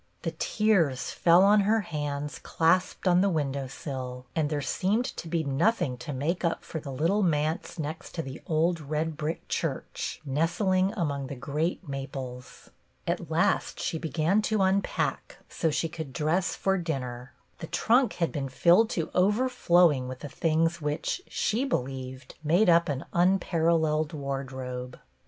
The tears fell on her hands clasped on the window sill, and there seemed to be nothing to make up for the little manse next to the old red brick church nestling among the great maples. At last she began to unpack, so she could dress for 46 BETTY BAIRD dinner. The trunk had been filled to over flowing with the things which, she believed, made up an unparalleled wardrobe.